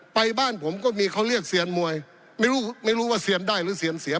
บ้านผมก็มีเขาเรียกเซียนมวยไม่รู้ไม่รู้ว่าเซียนได้หรือเซียนเสีย